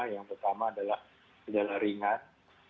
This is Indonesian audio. yang pertama adalah gejala ringan